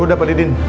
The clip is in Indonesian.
ya udah pak didin